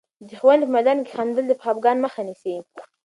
د ښوونې په میدان کې خندل، د خفګان مخه نیسي.